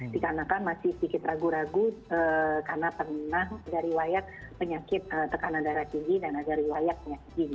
dikarenakan masih sedikit ragu ragu karena penuh dari wayak penyakit tekanan darah tinggi dan ada dari wayak penyakit gigi